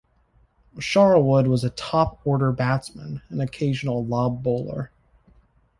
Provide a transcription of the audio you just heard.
Charlwood was a top order batsman and occasional lob bowler.